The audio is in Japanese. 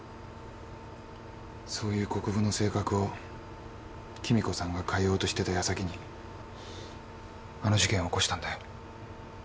そういう国府の性格を貴美子さんが変えようとしてたやさきにあの事件を起こしたんだよ。